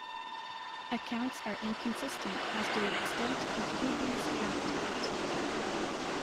Accounts are inconsistent as to the extent of the boobrie's habitat.